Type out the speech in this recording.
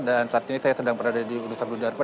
dan saat ini saya sedang berada di udhisa budhidharma